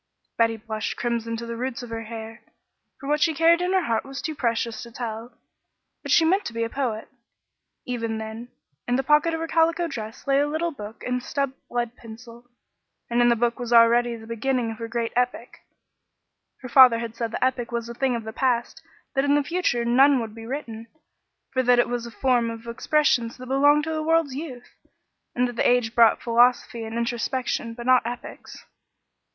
Betty blushed crimson to the roots of her hair, for what she carried in her heart was too precious to tell, but she meant to be a poet. Even then, in the pocket of her calico dress lay a little book and a stubbed lead pencil, and in the book was already the beginning of her great epic. Her father had said the epic was a thing of the past, that in the future none would be written, for that it was a form of expressions that belonged to the world's youth, and that age brought philosophy and introspection, but not epics.